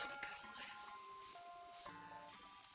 aku tadi ke rumah